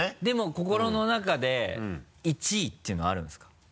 でも心の中で１位っていうのはあるんですか？